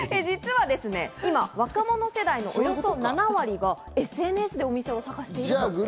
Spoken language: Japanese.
実は今、若者世代のおよそ７割がＳＮＳでお店を探してるんです。